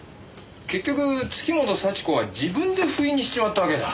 結局月本幸子は自分でふいにしちまったわけだ。